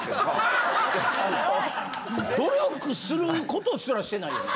ハハハ！努力することすらしてないよね？